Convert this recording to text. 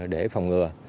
để phòng ngừa